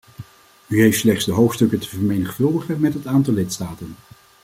U heeft slechts de hoofdstukken te vermenigvuldigen met het aantal lidstaten.